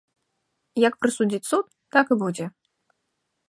Як прысудзіць суд, так і будзе.